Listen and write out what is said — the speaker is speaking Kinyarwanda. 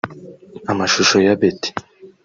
Amashusho ya ‘Betty’